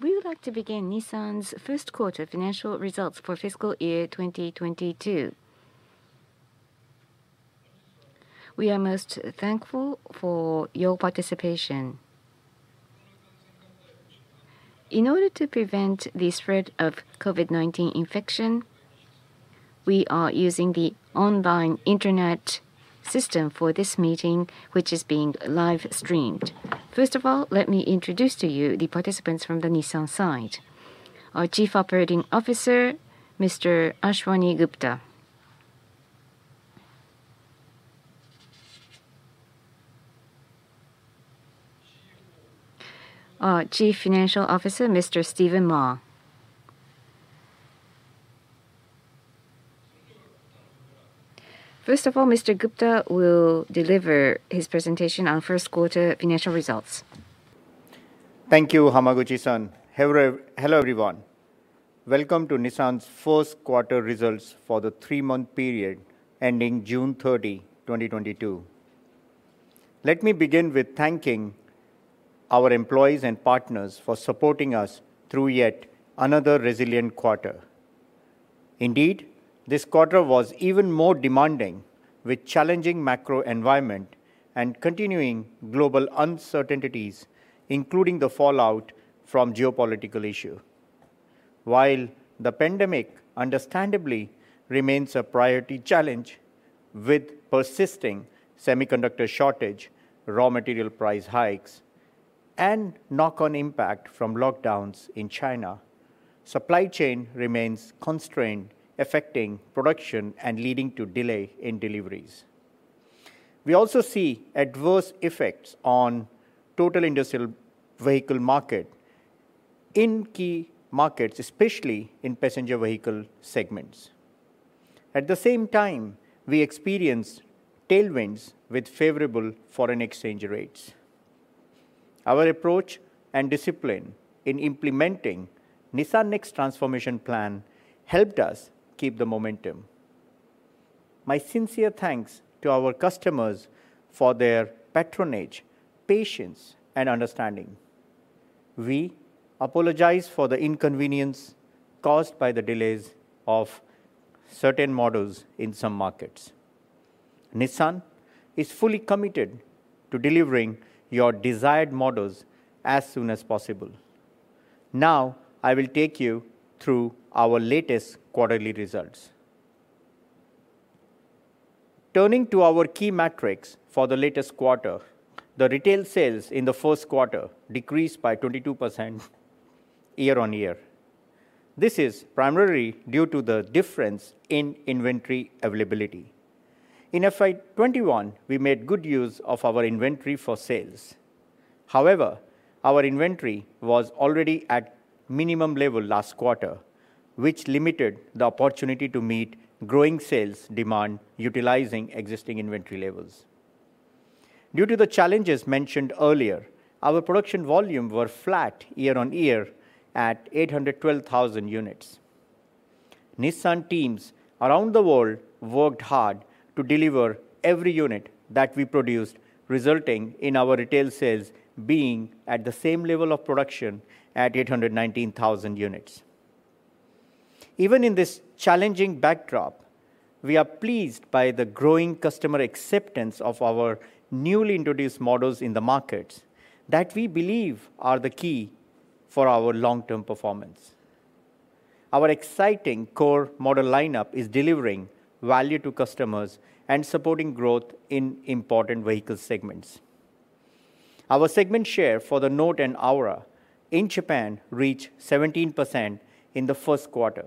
We would like to begin Nissan's first quarter financial results for fiscal year 2022. We are most thankful for your participation. In order to prevent the spread of COVID-19 infection, we are using the online internet system for this meeting, which is being live-streamed. First of all, let me introduce to you the participants from the Nissan side. Our Chief Operating Officer, Mr. Ashwani Gupta. Our Chief Financial Officer, Mr. Stephen Ma. First of all, Mr. Gupta will deliver his presentation on first quarter financial results. Thank you, Hamaguchi-san. Hello, everyone. Welcome to Nissan's first quarter results for the three-month period ending June 30, 2022. Let me begin with thanking our employees and partners for supporting us through yet another resilient quarter. Indeed, this quarter was even more demanding with challenging macro environment and continuing global uncertainties, including the fallout from geopolitical issues. While the pandemic understandably remains a priority challenge with persisting semiconductor shortage, raw material price hikes, and knock-on impact from lockdowns in China, supply chain remains constrained, affecting production and leading to delay in deliveries. We also see adverse effects on total industry vehicle market in key markets, especially in passenger vehicle segments. At the same time, we experience tailwinds with favorable foreign exchange rates. Our approach and discipline in implementing Nissan NEXT transformation plan helped us keep the momentum. My sincere thanks to our customers for their patronage, patience, and understanding. We apologize for the inconvenience caused by the delays of certain models in some markets. Nissan is fully committed to delivering your desired models as soon as possible. Now, I will take you through our latest quarterly results. Turning to our key metrics for the latest quarter, the retail sales in the first quarter decreased by 22% year-on-year. This is primarily due to the difference in inventory availability. In fiscal year 2021, we made good use of our inventory for sales. However, our inventory was already at minimum level last quarter, which limited the opportunity to meet growing sales demand utilizing existing inventory levels. Due to the challenges mentioned earlier, our production volume were flat year-on-year at 812,000 units. Nissan teams around the world worked hard to deliver every unit that we produced, resulting in our retail sales being at the same level of production at 819,000 units. Even in this challenging backdrop, we are pleased by the growing customer acceptance of our newly introduced models in the markets that we believe are the key for our long-term performance. Our exciting core model lineup is delivering value to customers and supporting growth in important vehicle segments. Our segment share for the Note and Aura in Japan reached 17% in the first quarter,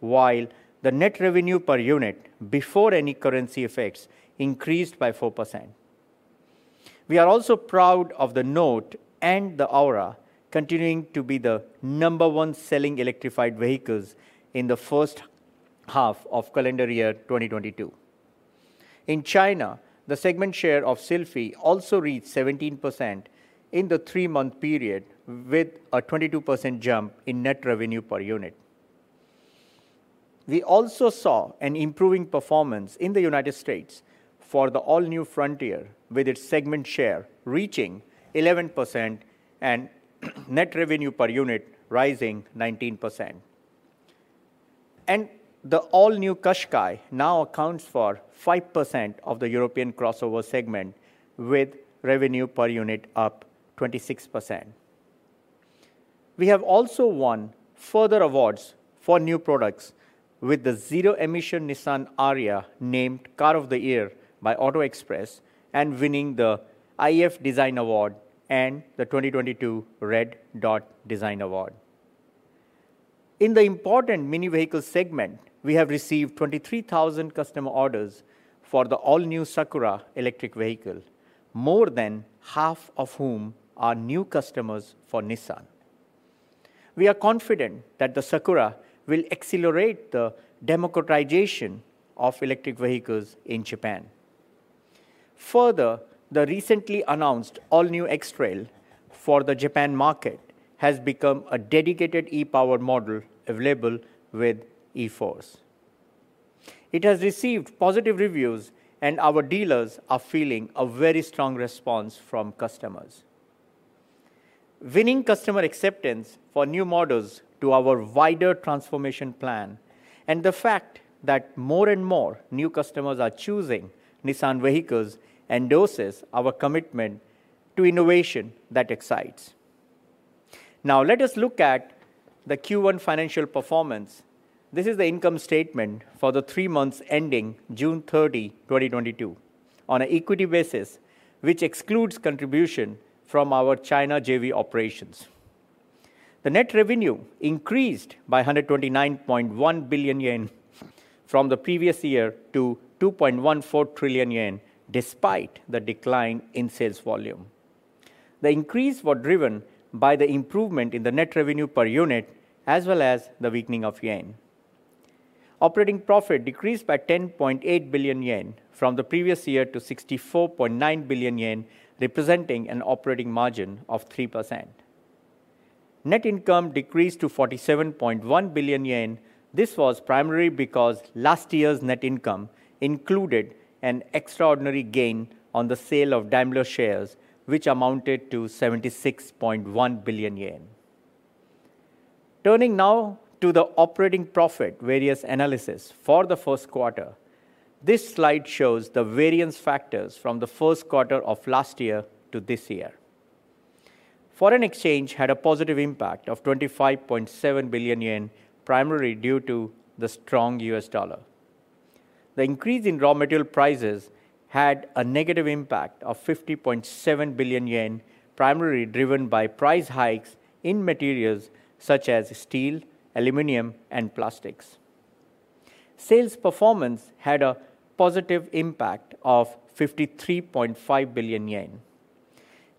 while the net revenue per unit before any currency effects increased by 4%. We are also proud of the Note and the Aura continuing to be the number one selling electrified vehicles in the first half of calendar year 2022. In China, the segment share of Sylphy also reached 17% in the three-month period with a 22% jump in net revenue per unit. We also saw an improving performance in the United States for the all-new Frontier, with its segment share reaching 11% and net revenue per unit rising 19%. The all-new Qashqai now accounts for 5% of the European crossover segment, with revenue per unit up 26%. We have also won further awards for new products with the zero-emission Nissan Ariya named Car of the Year by Auto Express and winning the iF Design Award and the 2022 Red Dot Design Award. In the important mini vehicle segment, we have received 23,000 customer orders for the all-new Sakura electric vehicle, more than half of whom are new customers for Nissan. We are confident that the Sakura will accelerate the democratization of electric vehicles in Japan. Further, the recently announced all-new X-Trail for the Japan market has become a dedicated e-POWER model available with e-4ORCE. It has received positive reviews and our dealers are feeling a very strong response from customers. Winning customer acceptance for new models to our wider transformation plan and the fact that more and more new customers are choosing Nissan vehicles endorses our commitment to innovation that excites. Now let us look at the Q1 financial performance. This is the income statement for the three months ending June 30, 2022 on an equity basis, which excludes contribution from our China JV operations. The net revenue increased by 129.1 billion yen from the previous year to 2.14 trillion yen, despite the decline in sales volume. The increase was driven by the improvement in the net revenue per unit as well as the weakening of yen. Operating profit decreased by 10.8 billion yen from the previous year to 64.9 billion yen, representing an operating margin of 3%. Net income decreased to 47.1 billion yen. This was primarily because last year's net income included an extraordinary gain on the sale of Daimler shares, which amounted to 76.1 billion yen. Turning now to the operating profit variance analysis for the first quarter. This slide shows the variance factors from the first quarter of last year to this year. Foreign exchange had a positive impact of 25.7 billion yen, primarily due to the strong U.S. dollar. The increase in raw material prices had a negative impact of 50.7 billion yen, primarily driven by price hikes in materials such as steel, aluminum, and plastics. Sales performance had a positive impact of 53.5 billion yen.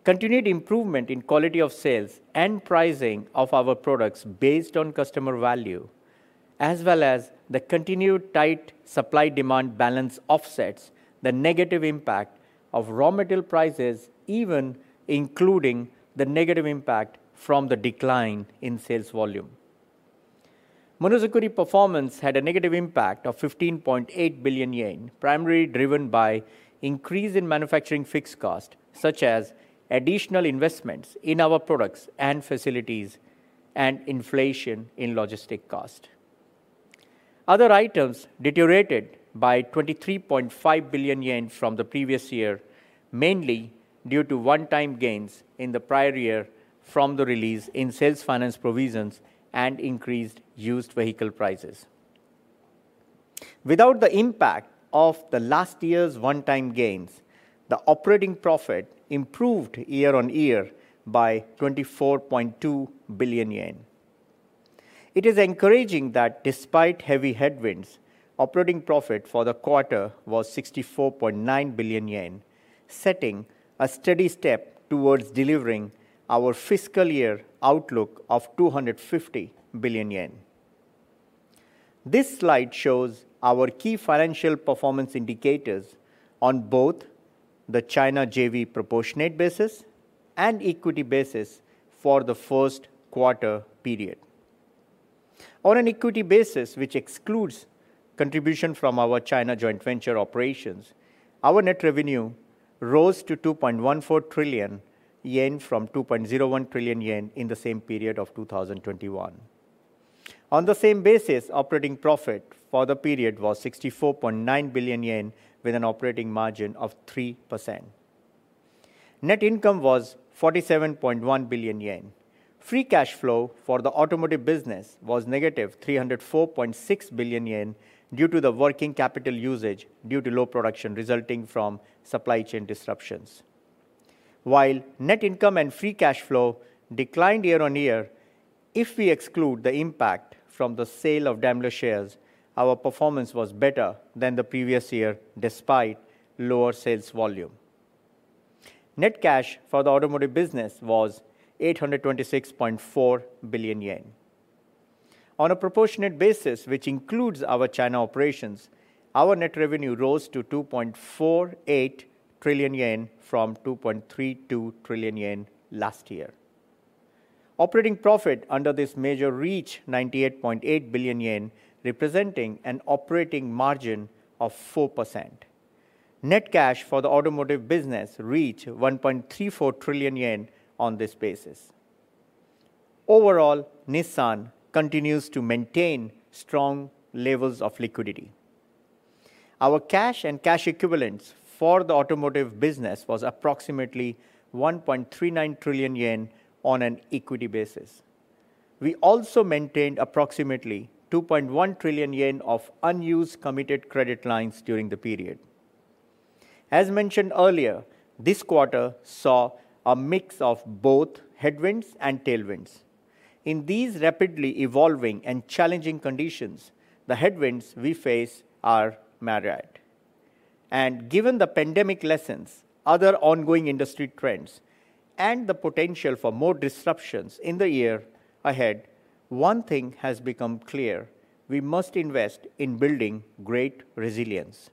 Continued improvement in quality of sales and pricing of our products based on customer value as well as the continued tight supply-demand balance offsets the negative impact of raw material prices, even including the negative impact from the decline in sales volume. Monozukuri performance had a negative impact of 15.8 billion yen, primarily driven by increase in manufacturing fixed cost, such as additional investments in our products and facilities and inflation in logistics costs. Other items deteriorated by 23.5 billion yen from the previous year, mainly due to one-time gains in the prior year from the release in sales finance provisions and increased used vehicle prices. Without the impact of the last year's one-time gains, the operating profit improved year-on-year by 24.2 billion yen. It is encouraging that despite heavy headwinds, operating profit for the quarter was 64.9 billion yen, setting a steady step towards delivering our fiscal year outlook of 250 billion yen. This slide shows our key financial performance indicators on both the China JV proportionate basis and equity basis for the first quarter period. On an equity basis, which excludes contribution from our China joint venture operations, our net revenue rose to 2.14 trillion yen from 2.01 trillion yen in the same period of 2021. On the same basis, operating profit for the period was 64.9 billion yen with an operating margin of 3%. Net income was 47.1 billion yen. Free cash flow for the automotive business was negative 304.6 billion yen due to the working capital usage due to low production resulting from supply chain disruptions. While net income and free cash flow declined year-on-year, if we exclude the impact from the sale of Daimler shares, our performance was better than the previous year, despite lower sales volume. Net cash for the automotive business was 826.4 billion yen. On a proportionate basis, which includes our China operations, our net revenue rose to 2.48 trillion yen from 2.32 trillion yen last year. Operating profit under this measure reached 98.8 billion yen, representing an operating margin of 4%. Net cash for the automotive business reached 1.34 trillion yen on this basis. Overall, Nissan continues to maintain strong levels of liquidity. Our cash and cash equivalents for the automotive business was approximately 1.39 trillion yen on an equity basis. We also maintained approximately 2.1 trillion yen of unused committed credit lines during the period. As mentioned earlier, this quarter saw a mix of both headwinds and tailwinds. In these rapidly evolving and challenging conditions, the headwinds we face are myriad. Given the pandemic lessons, other ongoing industry trends and the potential for more disruptions in the year ahead, one thing has become clear, we must invest in building great resilience.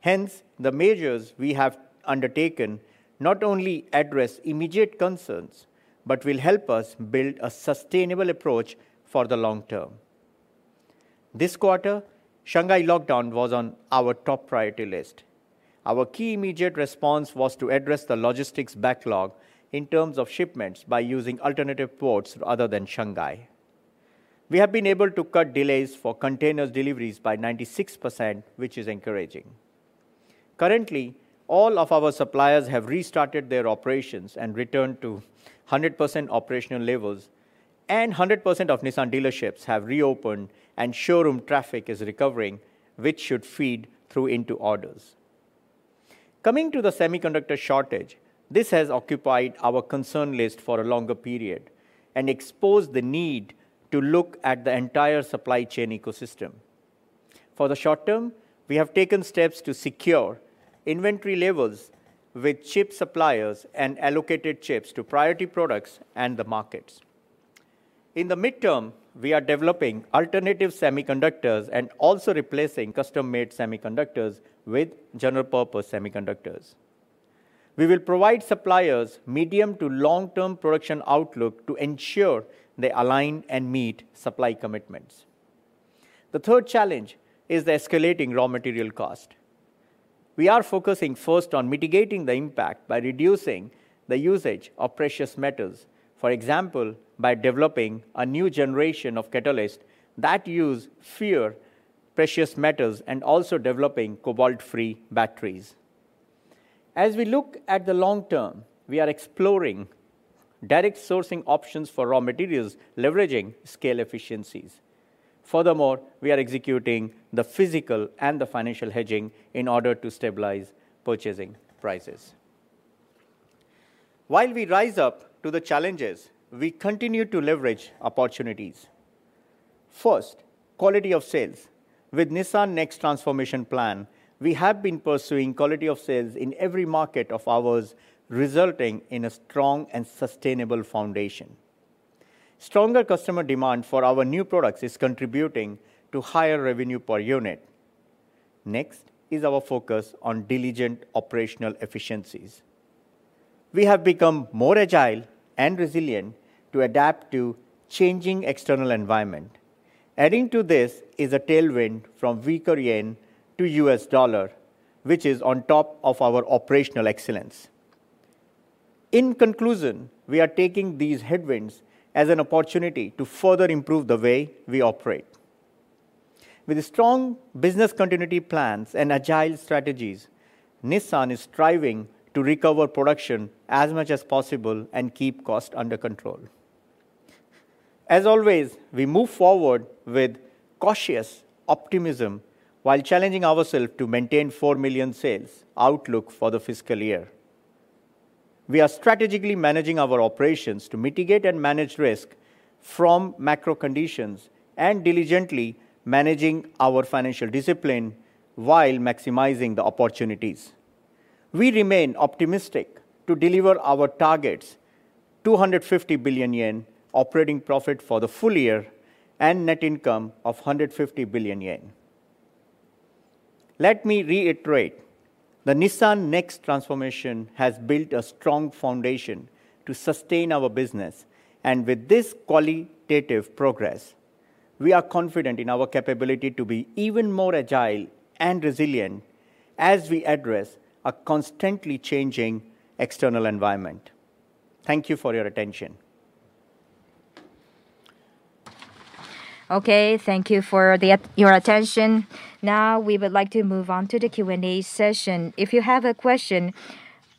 Hence, the measures we have undertaken not only address immediate concerns, but will help us build a sustainable approach for the long term. This quarter, Shanghai lockdown was on our top priority list. Our key immediate response was to address the logistics backlog in terms of shipments by using alternative ports other than Shanghai. We have been able to cut delays for containers deliveries by 96%, which is encouraging. Currently, all of our suppliers have restarted their operations and returned to 100% operational levels, and 100% of Nissan dealerships have reopened and showroom traffic is recovering, which should feed through into orders. Coming to the semiconductor shortage, this has occupied our concern list for a longer period and exposed the need to look at the entire supply chain ecosystem. For the short term, we have taken steps to secure inventory levels with chip suppliers and allocated chips to priority products and the markets. In the midterm, we are developing alternative semiconductors and also replacing custom-made semiconductors with general purpose semiconductors. We will provide suppliers medium to long-term production outlook to ensure they align and meet supply commitments. The third challenge is the escalating raw material cost. We are focusing first on mitigating the impact by reducing the usage of precious metals. For example, by developing a new generation of catalyst that use fewer precious metals and also developing cobalt-free batteries. As we look at the long term, we are exploring direct sourcing options for raw materials, leveraging scale efficiencies. Furthermore, we are executing the physical and the financial hedging in order to stabilize purchasing prices. While we rise up to the challenges, we continue to leverage opportunities. First, quality of sales. With Nissan NEXT Transformation plan, we have been pursuing quality of sales in every market of ours, resulting in a strong and sustainable foundation. Stronger customer demand for our new products is contributing to higher revenue per unit. Next is our focus on diligent operational efficiencies. We have become more agile and resilient to adapt to changing external environment. Adding to this is a tailwind from weaker yen to U.S. dollar, which is on top of our operational excellence. In conclusion, we are taking these headwinds as an opportunity to further improve the way we operate. With strong business continuity plans and agile strategies, Nissan is striving to recover production as much as possible and keep cost under control. As always, we move forward with cautious optimism while challenging ourselves to maintain four million sales outlook for the fiscal year. We are strategically managing our operations to mitigate and manage risk from macro conditions and diligently managing our financial discipline while maximizing the opportunities. We remain optimistic to deliver our targets, 250 billion yen operating profit for the full year and net income of 150 billion yen. Let me reiterate, the Nissan NEXT Transformation has built a strong foundation to sustain our business. With this qualitative progress, we are confident in our capability to be even more agile and resilient as we address a constantly changing external environment. Thank you for your attention. Okay, thank you for your attention. Now we would like to move on to the Q&A session. If you have a question,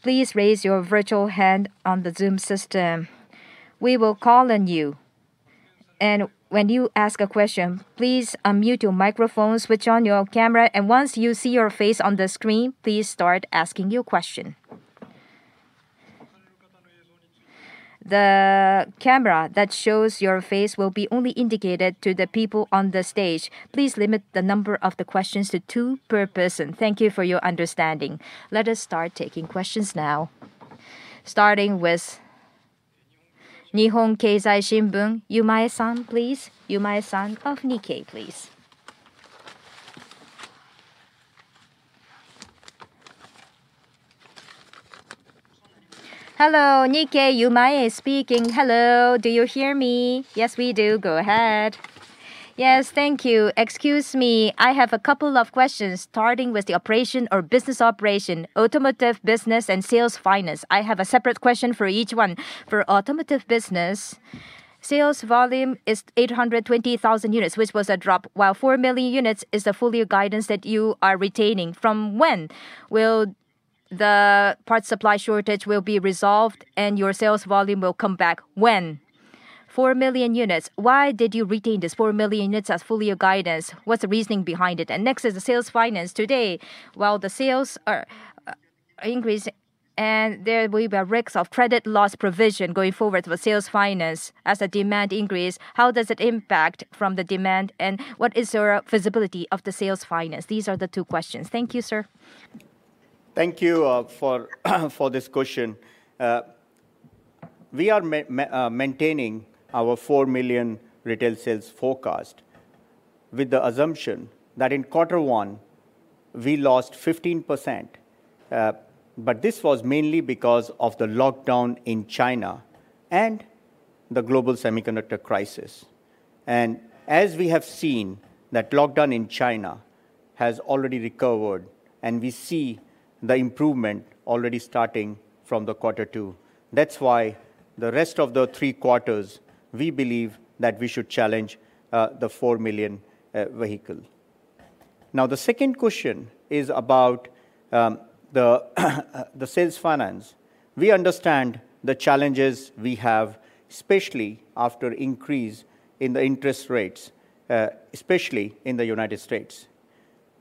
please raise your virtual hand on the Zoom system. We will call on you. When you ask a question, please unmute your microphone, switch on your camera, and once you see your face on the screen, please start asking your question. The camera that shows your face will be only indicated to the people on the stage. Please limit the number of the questions to two per person. Thank you for your understanding. Let us start taking questions now, starting with Nihon Keizai Shimbun, Yumae-san, please. Yumae-san of Nikkei, please. Hello, Nikkei, Yumae speaking. Hello. Do you hear me? Yes, we do. Go ahead. Yes, thank you. Excuse me. I have a couple of questions starting with the operation or business operation, automotive business and sales finance. I have a separate question for each one. For automotive business, sales volume is 820,000 units, which was a drop, while four million units is the full year guidance that you are retaining. From when will the parts supply shortage be resolved and your sales volume will come back? When? Four million units. Why did you retain this four million units as full year guidance? What's the reasoning behind it? Next is the sales finance. Today, while the sales are increase and there will be a risk of credit loss provision going forward with sales finance. As the demand increase, how does it impact from the demand, and what is your visibility of the sales finance? These are the two questions. Thank you, sir. Thank you for this question. We are maintaining our four million retail sales forecast with the assumption that in quarter one, we lost 15%. This was mainly because of the lockdown in China and the global semiconductor crisis. We have seen that lockdown in China has already recovered, and we see the improvement already starting from quarter two. That's why the rest of the three quarters, we believe that we should challenge the four million vehicle. Now, the second question is about the sales finance. We understand the challenges we have, especially after increase in the interest rates, especially in the United States.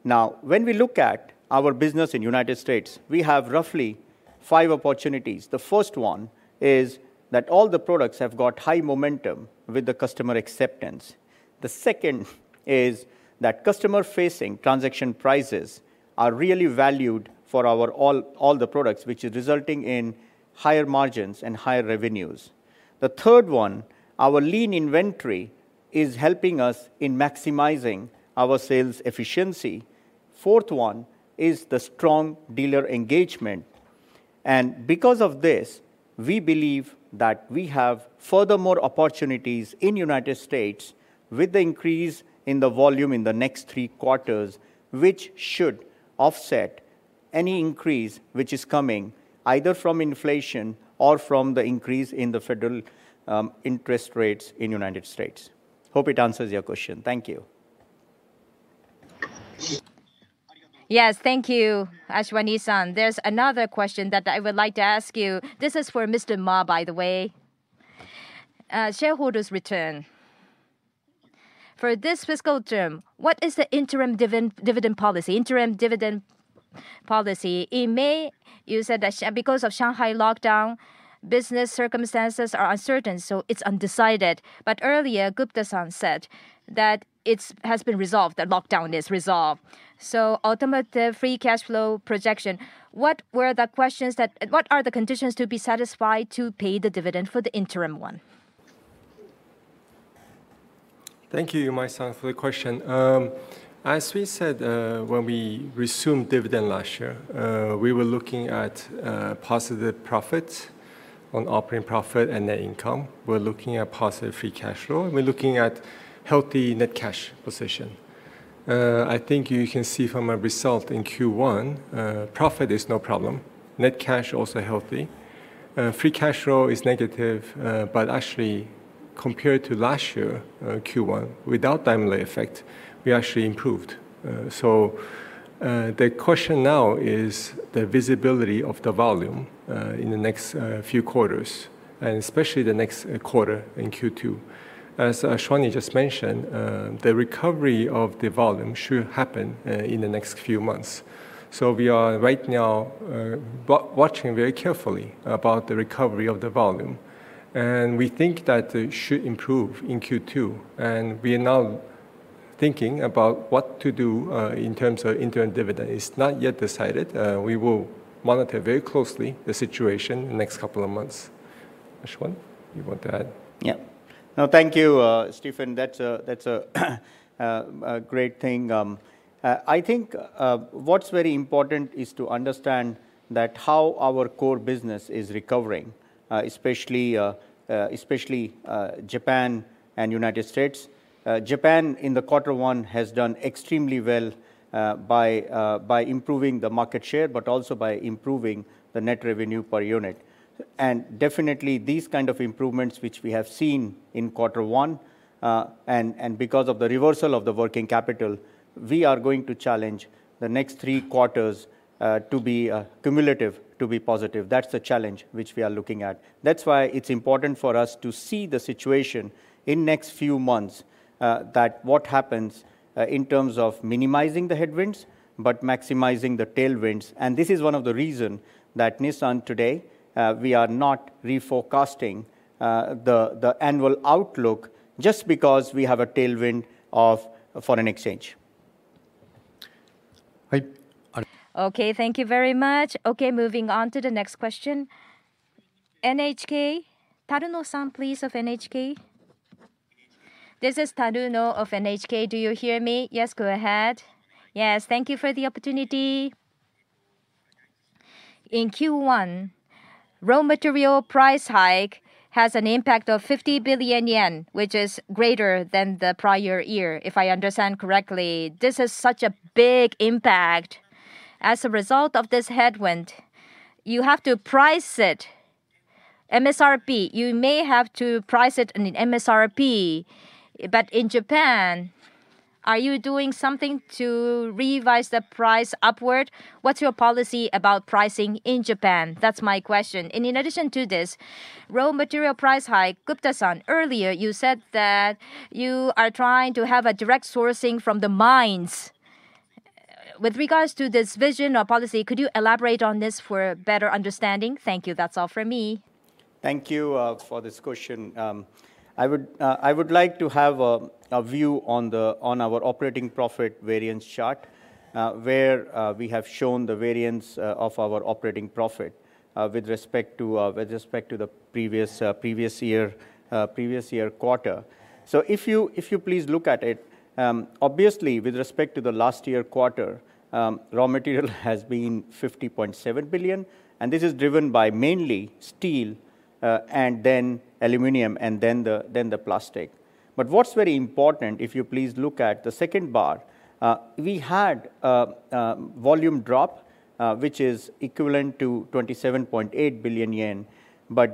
Now, when we look at our business in United States, we have roughly five opportunities. The first one is that all the products have got high momentum with the customer acceptance. The second is that customer-facing transaction prices are really valued for our all the products, which is resulting in higher margins and higher revenues. The third one, our lean inventory is helping us in maximizing our sales efficiency. Fourth one is the strong dealer engagement. Because of this, we believe that we have furthermore opportunities in United States with the increase in the volume in the next three quarters, which should offset any increase which is coming either from inflation or from the increase in the federal interest rates in United States. Hope it answers your question. Thank you. Yes. Thank you, Ashwani-san. There's another question that I would like to ask you. This is for Mr. Ma, by the way. Shareholders' return. For this fiscal term, what is the interim dividend policy? In May, you said that because of Shanghai lockdown, business circumstances are uncertain, so it's undecided. But earlier, Gupta-san said that it has been resolved, the lockdown is resolved. Ultimately, free cash flow projection, what are the conditions to be satisfied to pay the dividend for the interim one? Thank you, Yumae-san, for the question. As we said, when we resumed dividend last year, we were looking at positive profits on operating profit and net income. We're looking at positive free cash flow, and we're looking at healthy net cash position. I think you can see from our result in Q1, profit is no problem. Net cash also healthy. Free cash flow is negative, but actually compared to last year, Q1, without Daimler effect, we actually improved. The question now is the visibility of the volume in the next few quarters, and especially the next quarter in Q2. As Ashwani just mentioned, the recovery of the volume should happen in the next few months. We are right now watching very carefully about the recovery of the volume. We think that it should improve in Q2, and we are now thinking about what to do in terms of interim dividend. It's not yet decided. We will monitor very closely the situation in the next couple of months. Ashwani, you want to add? Yeah. No, thank you, Stephen. That's a great thing. I think what's very important is to understand that how our core business is recovering, especially Japan and United States. Japan in the quarter one has done extremely well, by improving the market share, but also by improving the net revenue per unit. Definitely these kind of improvements, which we have seen in quarter one, and because of the reversal of the working capital, we are going to challenge the next three quarters to be cumulative, to be positive. That's the challenge which we are looking at. That's why it's important for us to see the situation in next few months, that what happens, in terms of minimizing the headwinds, but maximizing the tailwinds. This is one of the reason that Nissan today, we are not reforecasting, the annual outlook just because we have a tailwind of foreign exchange. Right. Okay. Thank you very much. Okay, moving on to the next question. NHK. Taruno-san, please, of NHK. This is Taruno of NHK. Do you hear me? Yes, go ahead. Yes. Thank you for the opportunity. In Q1, raw material price hike has an impact of 50 billion yen, which is greater than the prior year, if I understand correctly. This is such a big impact. As a result of this headwind, you have to price it MSRP. You may have to price it in MSRP. But in Japan, are you doing something to revise the price upward? What's your policy about pricing in Japan? That's my question. In addition to this, raw material price hike, Gupta-san, earlier you said that you are trying to have a direct sourcing from the mines. With regards to this vision or policy, could you elaborate on this for a better understanding? Thank you. That's all for me. Thank you for this question. I would like to have a view on our operating profit variance chart, where we have shown the variance of our operating profit with respect to the previous year quarter. If you please look at it, obviously with respect to the last year quarter, raw material has been 50.7 billion, and this is driven by mainly steel, and then aluminum, and then the plastic. What's very important, if you please look at the second bar, we had volume drop, which is equivalent to 27.8 billion yen.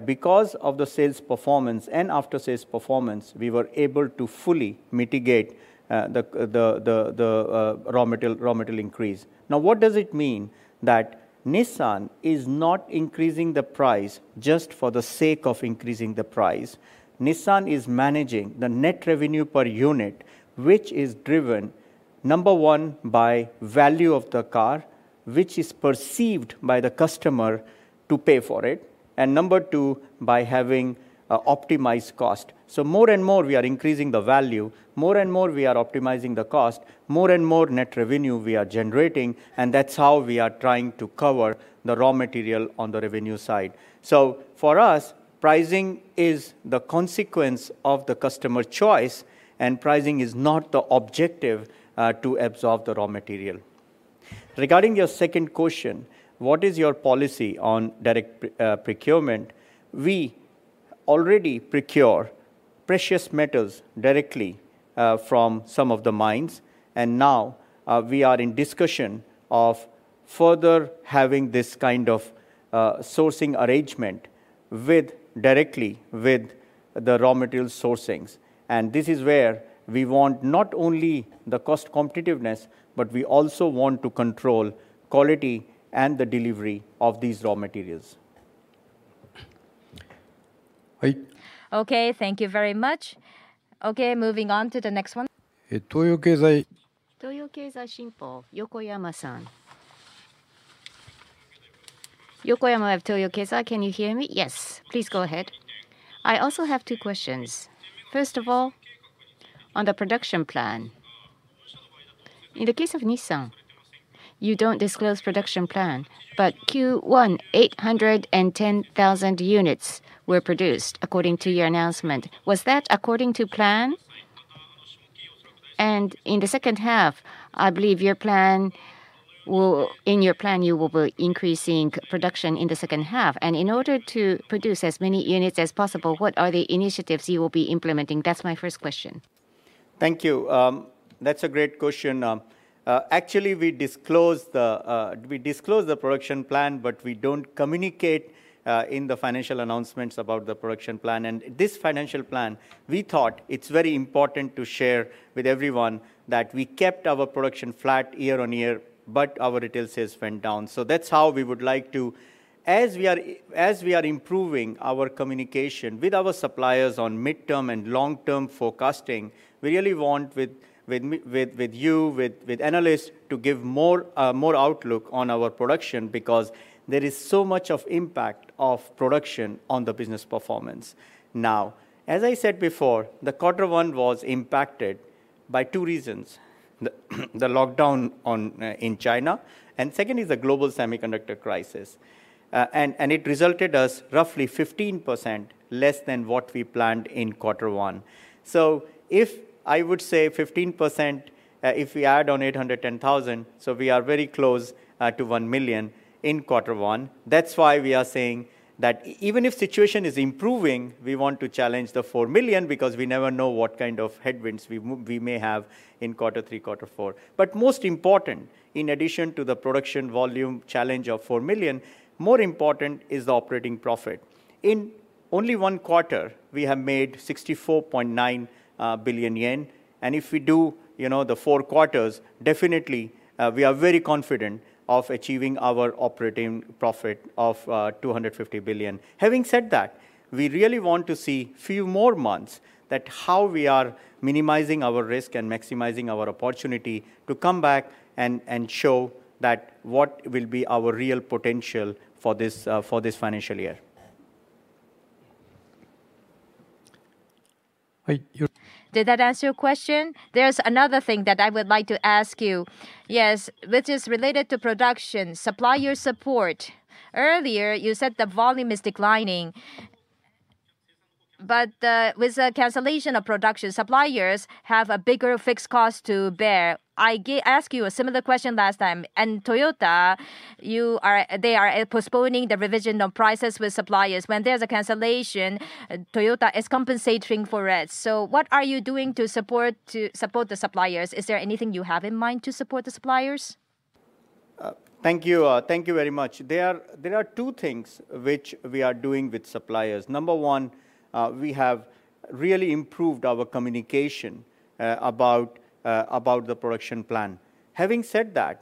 Because of the sales performance and after sales performance, we were able to fully mitigate the raw material increase. Now, what does it mean that Nissan is not increasing the price just for the sake of increasing the price? Nissan is managing the net revenue per unit, which is driven, number one, by value of the car, which is perceived by the customer to pay for it, and number two, by having a optimized cost. More and more we are increasing the value, more and more we are optimizing the cost, more and more net revenue we are generating, and that's how we are trying to cover the raw material on the revenue side. For us, pricing is the consequence of the customer choice, and pricing is not the objective to absorb the raw material. Regarding your second question, what is your policy on direct procurement? We already procure precious metals directly from some of the mines, and now we are in discussion of further having this kind of sourcing arrangement with directly with the raw material sourcings. This is where we want not only the cost competitiveness, but we also want to control quality and the delivery of these raw materials. Okay. Thank you very much. Okay, moving on to the next one. Toyo Keizai. Toyo Keizai Shinpo, Yokoyama-san. Yokoyama of Toyo Keizai, can you hear me? Yes. Please go ahead. I also have two questions. First of all, on the production plan. In the case of Nissan, you don't disclose production plan, but Q1, 810,000 units were produced according to your announcement. Was that according to plan? In the second half, I believe your plan will—in your plan, you will be increasing production in the second half. In order to produce as many units as possible, what are the initiatives you will be implementing? That's my first question. Thank you. That's a great question. Actually, we disclose the production plan, but we don't communicate in the financial announcements about the production plan. This financial plan, we thought it's very important to share with everyone that we kept our production flat year-over-year, but our retail sales went down. That's how we would like to. As we are improving our communication with our suppliers on midterm and long-term forecasting, we really want with you, with analysts to give more outlook on our production because there is so much of impact of production on the business performance. Now, as I said before, the quarter one was impacted by two reasons. The lockdown in China, and second is the global semiconductor crisis. It resulted us roughly 15% less than what we planned in quarter one. If I would say 15%, if we add on 810,000, so we are very close to one million in quarter one. That's why we are saying that even if situation is improving, we want to challenge the four million because we never know what kind of headwinds we may have in quarter three, quarter four. Most important, in addition to the production volume challenge of four million, more important is the operating profit. In only one quarter, we have made 64.9 billion yen. If we do, you know, the four quarters, definitely we are very confident of achieving our operating profit of 250 billion. Having said that, we really want to see few more months that how we are minimizing our risk and maximizing our opportunity to come back and show that what will be our real potential for this financial year. Did that answer your question? There's another thing that I would like to ask you. Yes, which is related to production, supplier support. Earlier, you said the volume is declining. With the cancellation of production, suppliers have a bigger fixed cost to bear. I asked you a similar question last time. Toyota, they are postponing the revision of prices with suppliers. When there's a cancellation, Toyota is compensating for it. What are you doing to support the suppliers? Is there anything you have in mind to support the suppliers? Thank you. Thank you very much. There are two things which we are doing with suppliers. Number one, we have really improved our communication about the production plan. Having said that,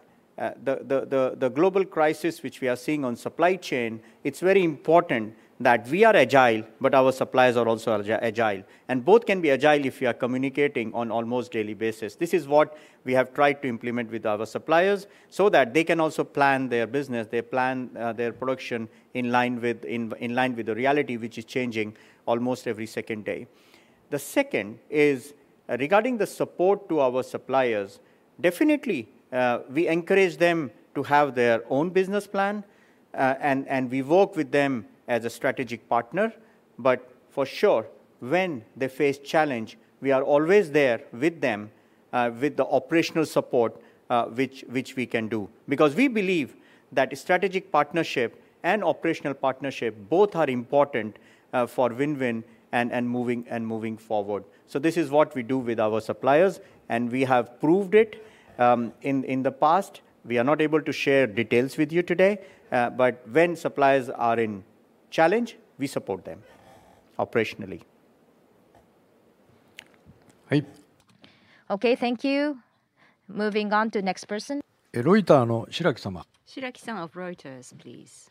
the global crisis which we are seeing on supply chain, it's very important that we are agile, but our suppliers are also agile. Both can be agile if we are communicating on almost daily basis. This is what we have tried to implement with our suppliers so that they can also plan their business, they plan their production in line with the reality, which is changing almost every second day. The second is regarding the support to our suppliers. Definitely, we encourage them to have their own business plan, and we work with them as a strategic partner. For sure, when they face challenge, we are always there with them, with the operational support, which we can do. Because we believe that strategic partnership and operational partnership both are important, for win-win and moving forward. This is what we do with our suppliers, and we have proved it, in the past. We are not able to share details with you today, but when suppliers are in challenge, we support them operationally. Okay, thank you. Moving on to next person. Reuters Shiraki-sama. Shiraki-san of Reuters, please.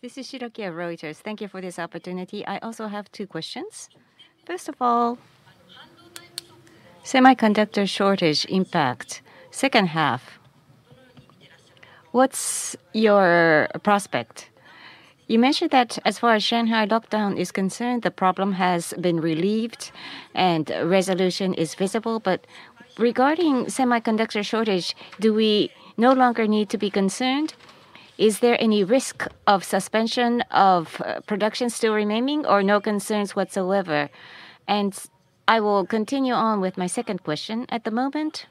This is Shiraki of Reuters. Thank you for this opportunity. I also have two questions. First of all, semiconductor shortage impact second half. What's your prospect? You mentioned that as far as Shanghai lockdown is concerned, the problem has been relieved and resolution is visible. But regarding semiconductor shortage, do we no longer need to be concerned? Is there any risk of suspension of production still remaining or no concerns whatsoever? I will continue on with my second question. At the moment,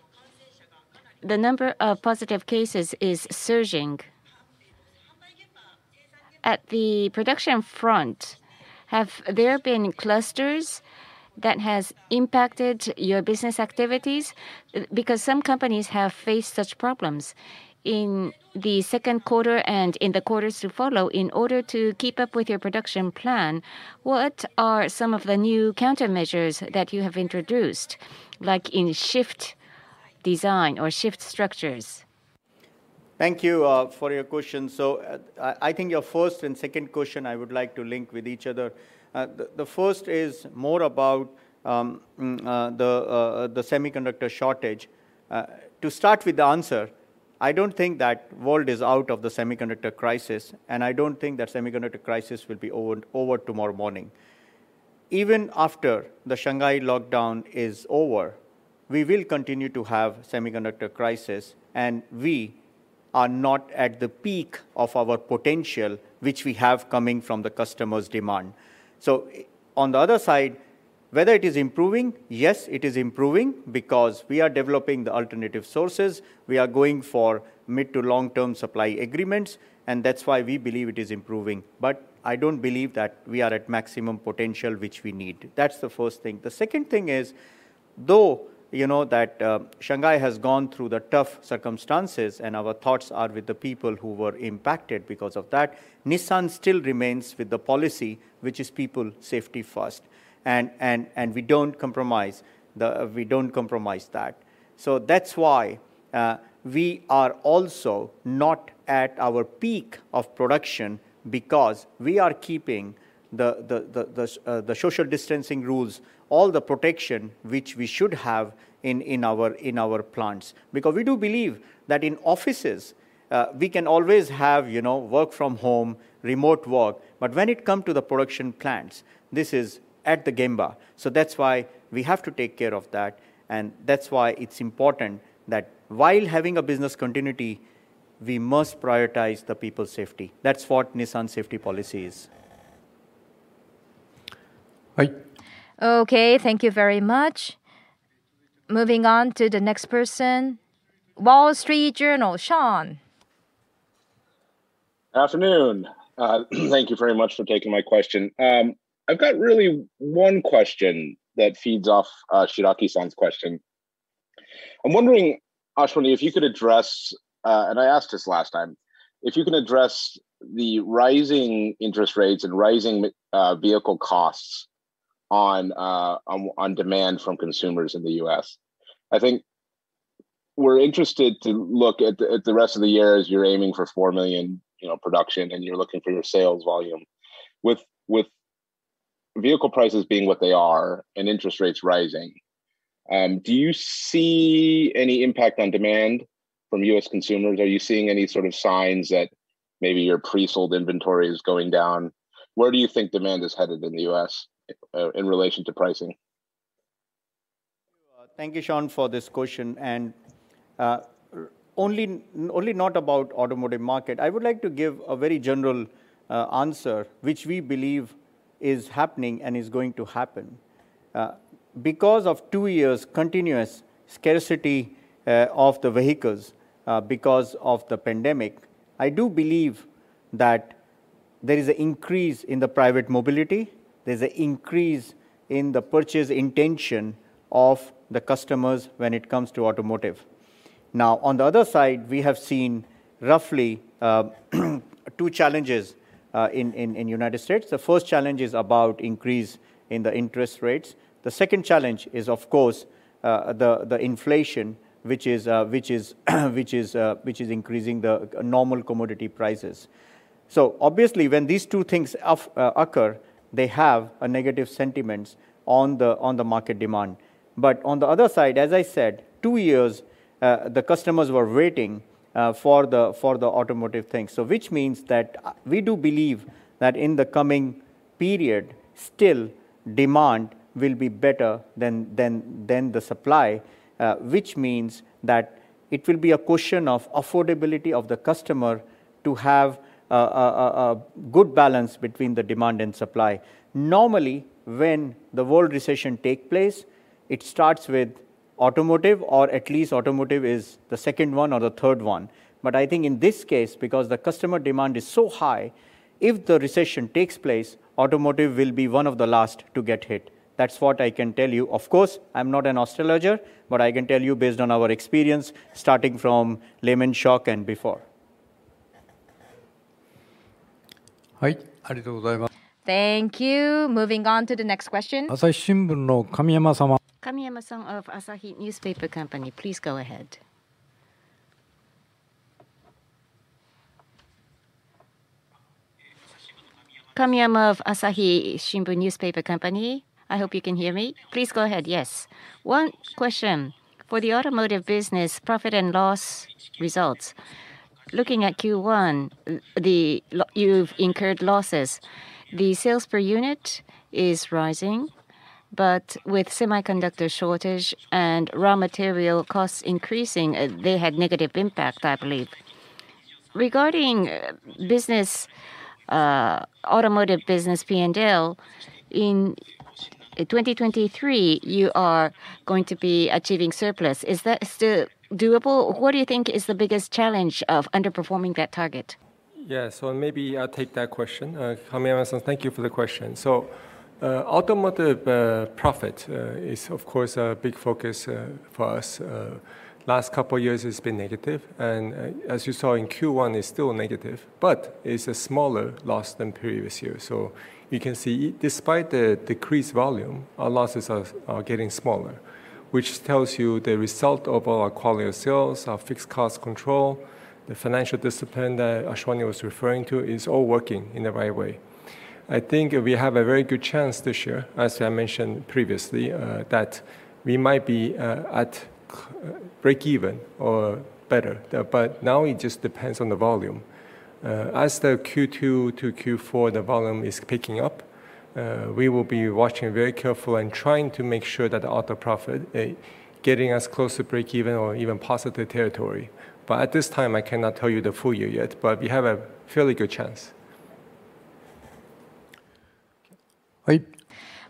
the number of positive cases is surging. At the production front, have there been clusters that has impacted your business activities? Because some companies have faced such problems. In the second quarter and in the quarters to follow, in order to keep up with your production plan, what are some of the new countermeasures that you have introduced, like in shift design or shift structures? Thank you for your question. I think your first and second question I would like to link with each other. The first is more about the semiconductor shortage. To start with the answer, I don't think that world is out of the semiconductor crisis, and I don't think that semiconductor crisis will be over tomorrow morning. Even after the Shanghai lockdown is over, we will continue to have semiconductor crisis, and we are not at the peak of our potential, which we have coming from the customers' demand. On the other side, whether it is improving, yes, it is improving because we are developing the alternative sources. We are going for mid to long-term supply agreements, and that's why we believe it is improving. I don't believe that we are at maximum potential, which we need. That's the first thing. The second thing is, though, you know that, Shanghai has gone through the tough circumstances and our thoughts are with the people who were impacted because of that. Nissan still remains with the policy, which is people safety first. We don't compromise that. That's why, we are also not at our peak of production because we are keeping the social distancing rules, all the protection which we should have in our plants. Because we do believe that in offices, we can always have, you know, work from home, remote work. When it come to the production plants, this is at the gemba. That's why we have to take care of that, and that's why it's important that while having a business continuity, we must prioritize the people's safety. That's what Nissan safety policy is. Okay, thank you very much. Moving on to the next person. The Wall Street Journal, Sean. Afternoon. Thank you very much for taking my question. I've got really one question that feeds off Shiraki-san's question. I'm wondering, Ashwani, if you could address, and I asked this last time, if you can address the rising interest rates and rising vehicle costs on demand from consumers in the U.S. I think we're interested to look at the rest of the year as you're aiming for four million, you know, production, and you're looking for your sales volume. With vehicle prices being what they are and interest rates rising, do you see any impact on demand from U.S. consumers? Are you seeing any sort of signs that maybe your pre-sold inventory is going down? Where do you think demand is headed in the U.S. in relation to pricing? Thank you, Sean, for this question. Not only about automotive market, I would like to give a very general answer, which we believe is happening and is going to happen. Because of two years continuous scarcity of the vehicles because of the pandemic, I do believe that there is an increase in the private mobility. There's an increase in the purchase intention of the customers when it comes to automotive. Now, on the other side, we have seen roughly two challenges in the United States. The first challenge is about the increase in the interest rates. The second challenge is, of course, the inflation, which is increasing the normal commodity prices. Obviously, when these two things occur, they have a negative sentiments on the market demand. On the other side, as I said, two years the customers were waiting for the automotive things. Which means that we do believe that in the coming period, still demand will be better than the supply, which means that it will be a question of affordability of the customer to have a good balance between the demand and supply. Normally, when the world recession take place, it starts with automotive, or at least automotive is the second one or the third one. I think in this case, because the customer demand is so high, if the recession takes place, automotive will be one of the last to get hit. That's what I can tell you. Of course, I'm not an astrologer, but I can tell you based on our experience, starting from Lehman Shock and before. Thank you. Moving on to the next question. Kamiya-san of Asahi Shimbun, please go ahead. Kamiyama of Asahi Shimbun, I hope you can hear me. Please go ahead, yes. One question. For the automotive business profit and loss results, looking at Q1, you've incurred losses. The sales per unit is rising, but with semiconductor shortage and raw material costs increasing, they had negative impact, I believe. Regarding business, automotive business P&L, in 2023, you are going to be achieving surplus. Is that still doable? What do you think is the biggest challenge of underperforming that target? Yeah. Maybe I'll take that question. Kamiya-san, thank you for the question. Automotive profit is of course a big focus for us. Last couple of years it's been negative, and as you saw in Q1, it's still negative, but it's a smaller loss than previous year. You can see, despite the decreased volume, our losses are getting smaller. Which tells you the result of our quality of sales, our fixed cost control, the financial discipline that Ashwani was referring to is all working in the right way. I think we have a very good chance this year, as I mentioned previously, that we might be at breakeven or better. Now it just depends on the volume. As the Q2 to Q4, the volume is picking up, we will be watching very careful and trying to make sure that the auto profit getting as close to breakeven or even positive territory. At this time, I cannot tell you the full year yet, but we have a fairly good chance.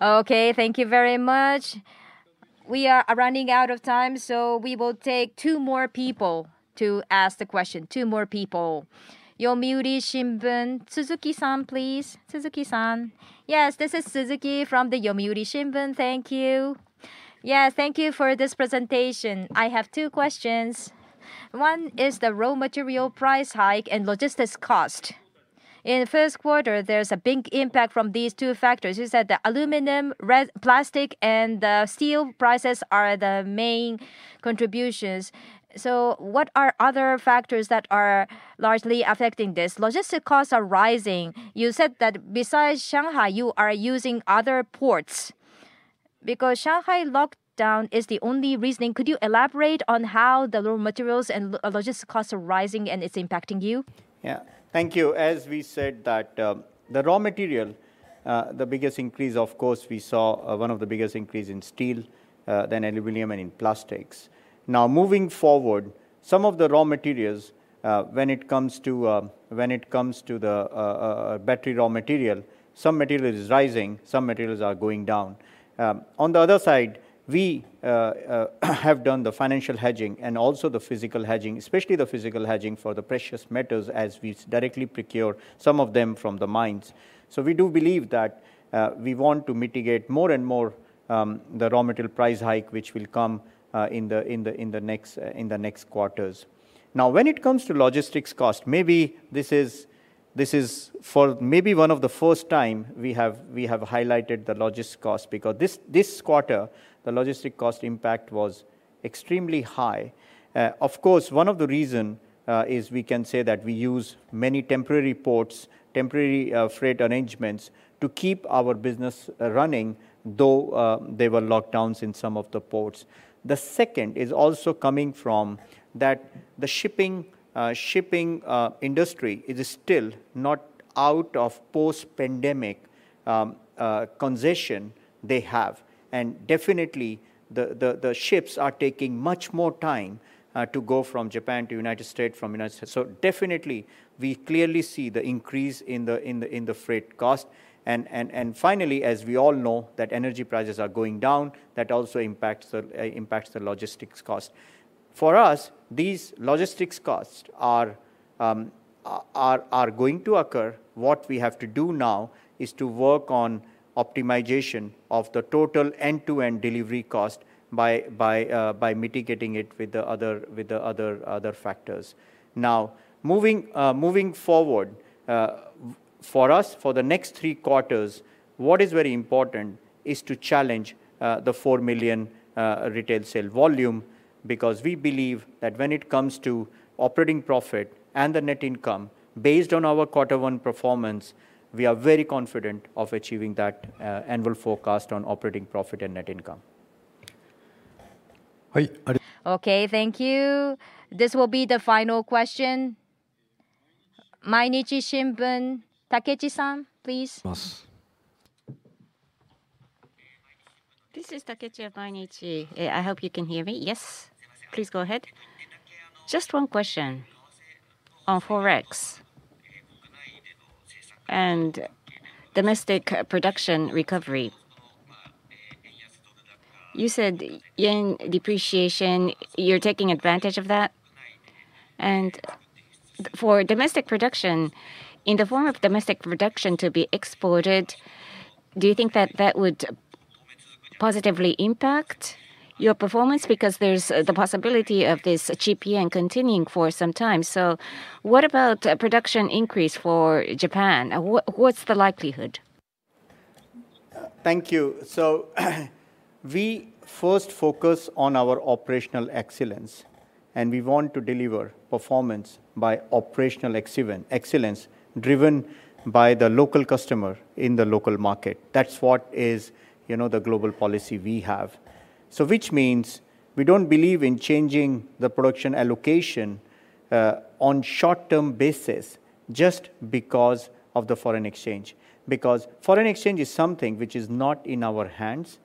Okay. Thank you very much. We are running out of time, so we will take two more people to ask the question. Two more people. Yomiuri Shimbun, Suzuki-san, please. Suzuki-san. Yes, this is Suzuki from the Yomiuri Shimbun. Thank you. Yeah, thank you for this presentation. I have two questions. One is the raw material price hike and logistics cost. In first quarter, there's a big impact from these two factors. You said that aluminum, plastic, and the steel prices are the main contributions. So what are other factors that are largely affecting this? Logistic costs are rising. You said that besides Shanghai, you are using other ports. Because Shanghai lockdown is the only reason. Could you elaborate on how the raw materials and logistic costs are rising and it's impacting you? Yeah. Thank you. As we said that, the raw material, the biggest increase, of course, we saw one of the biggest increase in steel, then aluminum and in plastics. Now, moving forward, some of the raw materials, when it comes to the battery raw material, some material is rising, some materials are going down. On the other side, we have done the financial hedging and also the physical hedging, especially the physical hedging for the precious metals as we directly procure some of them from the mines. We do believe that we want to mitigate more and more the raw material price hike, which will come in the next quarters. When it comes to logistics cost, maybe this is for maybe one of the first time we have highlighted the logistics cost because this quarter, the logistics cost impact was extremely high. Of course, one of the reason is we can say that we use many temporary ports, temporary freight arrangements to keep our business running, though there were lockdowns in some of the ports. The second is also coming from that the shipping industry is still not out of post-pandemic congestion they have. Definitely, the ships are taking much more time to go from Japan to United States, from United States. Definitely, we clearly see the increase in the freight cost. Finally, as we all know, that energy prices are going down, that also impacts the logistics cost. For us, these logistics costs are going to occur. What we have to do now is to work on optimization of the total end-to-end delivery cost by mitigating it with the other factors. Now, moving forward, for us, for the next three quarters, what is very important is to challenge the 4 million retail sale volume because we believe that when it comes to operating profit and the net income, based on our quarter one performance, we are very confident of achieving that annual forecast on operating profit and net income. Okay, thank you. This will be the final question. Mainichi Shimbun, Takechi-san, please. This is Takechi of Mainichi. I hope you can hear me. Yes? Please go ahead. Just one question on Forex and domestic production recovery. You said yen depreciation, you're taking advantage of that. For domestic production, in the form of domestic production to be exported, do you think that that would positively impact your performance? Because there's the possibility of this cheap yen continuing for some time. What about production increase for Japan? What's the likelihood? Thank you. We first focus on our operational excellence, and we want to deliver performance by operational excellence driven by the local customer in the local market. That's what is, you know, the global policy we have. Which means we don't believe in changing the production allocation on short-term basis just because of the foreign exchange. Because foreign exchange is something which is not in our hands.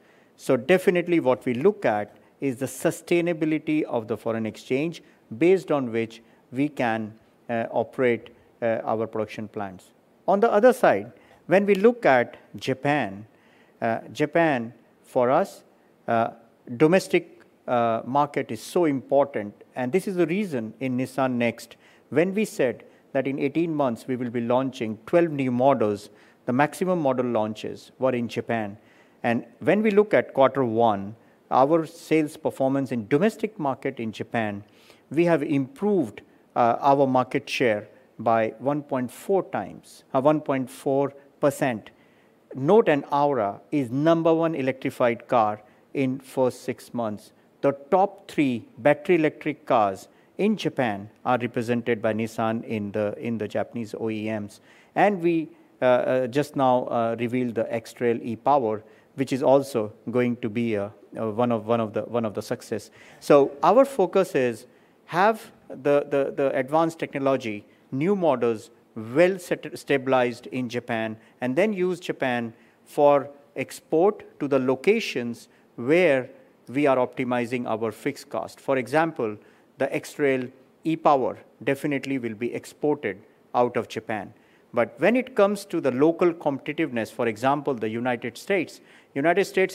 Definitely what we look at is the sustainability of the foreign exchange based on which we can operate our production plans. On the other side, when we look at Japan, for us, domestic market is so important, and this is the reason in Nissan NEXT. When we said that in 18 months we will be launching 12 new models, the maximum model launches were in Japan. When we look at quarter one, our sales performance in domestic market in Japan, we have improved our market share by 1.4 times, 1.4%. Note and Aura is number one electrified car in first six months. The top three battery electric cars in Japan are represented by Nissan in the Japanese OEMs. We just now revealed the X-Trail e-POWER, which is also going to be one of the success. Our focus is have the advanced technology, new models, stabilized in Japan, and then use Japan for export to the locations where we are optimizing our fixed cost. For example, the X-Trail e-POWER definitely will be exported out of Japan. When it comes to the local competitiveness, for example, the United States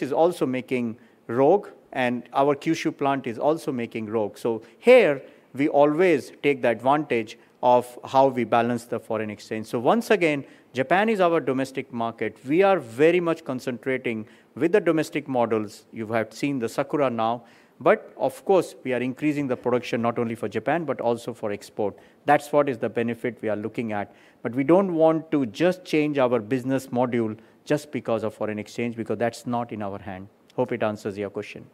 is also making Rogue, and our Kyushu plant is also making Rogue. Here we always take the advantage of how we balance the foreign exchange. Once again, Japan is our domestic market. We are very much concentrating with the domestic models. You have seen the Sakura now. Of course, we are increasing the production not only for Japan, but also for export. That's what is the benefit we are looking at. We don't want to just change our business model just because of foreign exchange, because that's not in our hand. Hope it answers your question.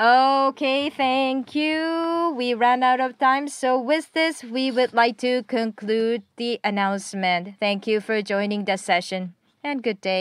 Okay, thank you. We ran out of time. With this, we would like to conclude the announcement. Thank you for joining the session, and good day.